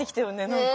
何か。